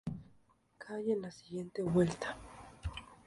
Cae en la siguiente vuelta.